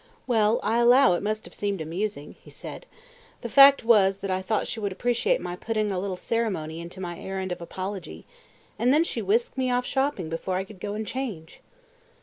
"Well, I allow it must have seemed amusing," he said. "The fact was that I thought she would appreciate my putting a little ceremony into my errand of apology, and then she whisked me off shopping before I could go and change."